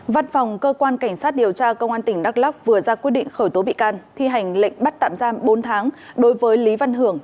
văn phòng cơ quan cảnh sát điều tra công an tỉnh đắk lóc vừa ra quyết định khởi tố bị can thi hành lệnh bắt tạm giam bốn tháng đối với lý văn hưởng